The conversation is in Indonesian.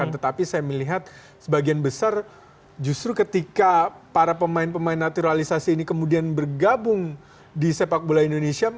tetapi saya melihat sebagian besar justru ketika para pemain pemain naturalisasi ini kemudian bergabung di sepak bola indonesia